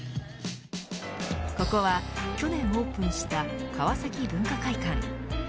ここは去年オープンしたカワサキ文化会館。